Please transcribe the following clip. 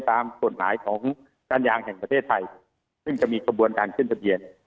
ตามกฎหมายของการยางแห่งประเทศไทยซึ่งจะมีขบวนการขึ้นทะเบียน